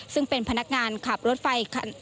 ซึ่งเป็นพนักงานขับรถไฟ